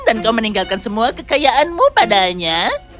dan kau meninggalkan semua kekayaanmu padanya